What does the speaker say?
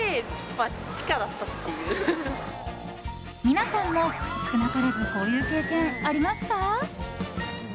皆さんも少なからずこういう経験ありますか？